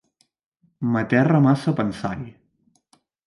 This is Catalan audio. M'aterra massa pensar-hi.